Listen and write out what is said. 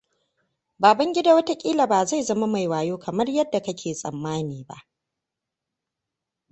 Babangida wataƙila ba zai zama mai wayo kamar yadda kake tsammani ba.